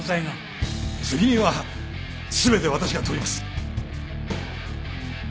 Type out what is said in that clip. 責任は全て私が取ります。